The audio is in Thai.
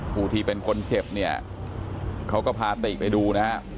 ผู้ที่เป็นคนเจ็บเนี่ยเขาก็พาติไปดูนะฮะ